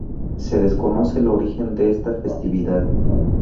Se desconoce el origen de esta festividad.